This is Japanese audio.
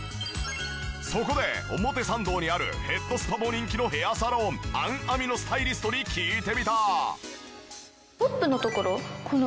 そこで表参道にあるヘッドスパも人気のヘアサロンアンアミのスタイリストに聞いてみた。